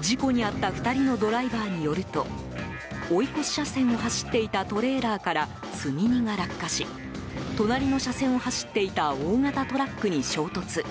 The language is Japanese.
事故に遭った２人のドライバーによると追い越し車線を走っていたトレーラーから積み荷が落下し隣の車線を走っていた大型トラックに衝突。